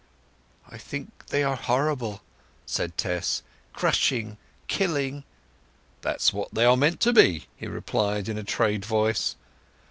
"I think they are horrible," said Tess. "Crushing! Killing!" "That's what they are meant to be!" he replied in a trade voice.